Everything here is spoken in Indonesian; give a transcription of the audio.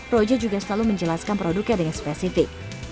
roja juga selalu menjelaskan produknya dengan spesifik